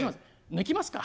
抜きますか？